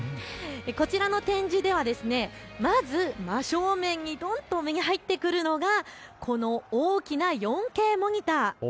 こちらの展示ではまず真正面にどんと目に入ってくるのがこの大きな４Ｋモニター。